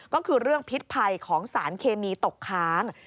ก็คือเรื่องพิษภัยของสารเคมีตกค้าง